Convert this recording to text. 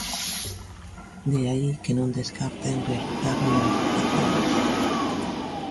De aí que non descarten realizar mobilizacións.